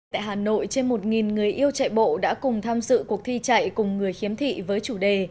tại hà nội trên một người yêu chạy bộ đã cùng tham dự cuộc thi chạy cùng người khiếm thị với chủ đề